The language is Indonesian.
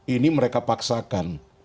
ini mereka paksakan